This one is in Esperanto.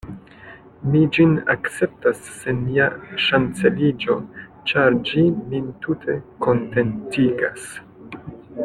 Mi ĝin akceptas sen ia ŝanceliĝo; ĉar ĝi min tute kontentigas.